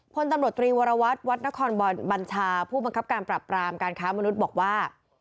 พลตำรวจตรีวรวัตรวัดนครบัญชาผู้บังคับการปรับปรามการค้ามนุษย์บอกว่า